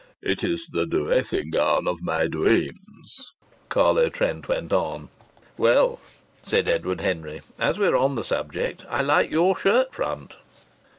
"It is the dressing gown of my dreams," Carlo Trent went on. "Well," said Edward Henry, "as we're on the subject, I like your shirt front."